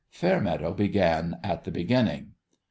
Fairmeadow began at the beginning.